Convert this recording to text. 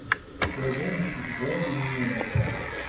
Wa d amsegdal-nnem?